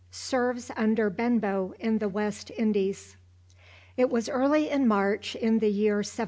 SERVES UNDER BENBOW IN THE WEST INDIES. It was early in March in the year 1702.